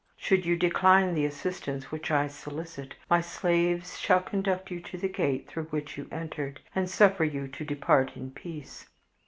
Should you decline the assistance which I solicit, my slaves shall conduct you to the gate through which you entered, and suffer you to depart in peace.